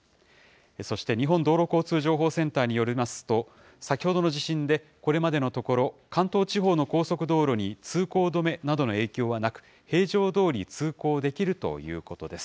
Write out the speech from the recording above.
そして日本道路交通情報センターによりますと、先ほどの地震でこれまでのところ、関東地方の高速道路に通行止めなどの影響はなく、平常どおり、通行できるということです。